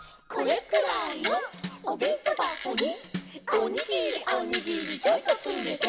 「おにぎりおにぎりちょいとつめて」